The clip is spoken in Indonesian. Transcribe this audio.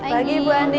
pagi ibu andien